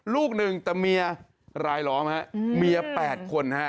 ลูกหนึ่งแต่เมียรายล้อมครับเมีย๘คนครับ